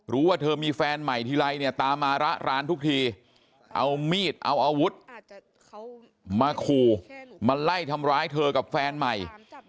รู้ว่าเธอมีแฟนใหม่ทีไรเนี่ยตามมาระร้านทุกทีเอามีดเอาอาวุธมาขู่มาไล่ทำร้ายเธอกับแฟนใหม่